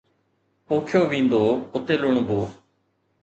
پوکيو ويندو، اتي لڻبو.